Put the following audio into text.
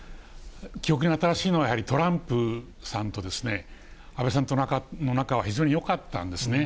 記憶に新しいのはやはりトランプさんと、安倍さんとの仲は非常によかったんですね。